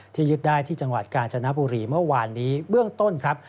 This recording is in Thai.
ยึดได้ที่จังหวัดกาญจนบุรีเมื่อวานนี้เบื้องต้นครับ